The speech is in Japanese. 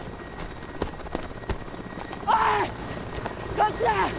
おいこっちだ！